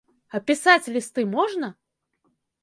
А пісаць лісты можна?